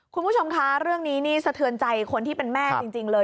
คุณผู้ชมคะเรื่องนี้นี่สะเทือนใจคนที่เป็นแม่จริงเลย